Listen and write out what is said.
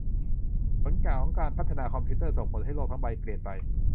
ผลของการพัฒนาคอมพิวเตอร์ ส่งผลให้โลกทั้งใบเปลี่ยนไป